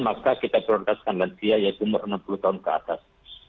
maka kita prioritaskan lansia yaitu umur enam puluh tahun ke atas